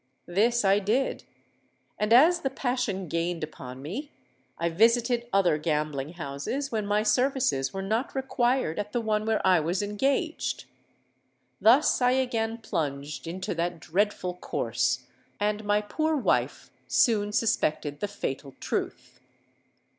This I did; and as the passion gained upon me, I visited other gambling houses when my services were not required at the one where I was engaged. Thus I again plunged into that dreadful course; and my poor wife soon suspected the fatal truth.